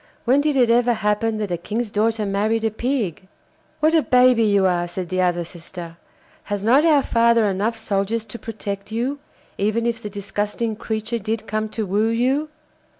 When did it ever happen that a king's daughter married a pig?' 'What a baby you are!' said the other sister; 'has not our father enough soldiers to protect you, even if the disgusting creature did come to woo you?